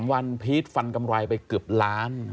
วันพีชฟันกำไรไปเกือบล้าน